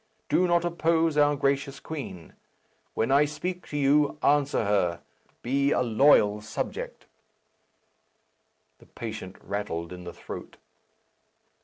Do not oppose our gracious queen. When I speak to you, answer her; be a loyal subject." The patient rattled in the throat.